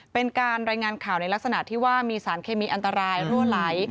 เป็นการรายงานข่าวในลักษณะที่ว่ามีสารเคมีอันตรายรั่วไหล